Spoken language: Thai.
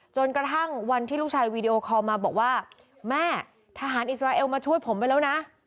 จนกระทั่งวันที่ลูกชายวีดีโอคอลมาบอกว่าแม่ทหารอิสราเอลมาช่วยผมไปแล้วนะ